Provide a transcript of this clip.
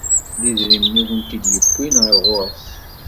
D idrimen i kent-id-yewwin ar ɣur-s.